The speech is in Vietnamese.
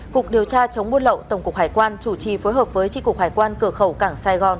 cục điều tra chống buôn lậu tổng cục hải quan chủ trì phối hợp với tri cục hải quan cửa khẩu cảng sài gòn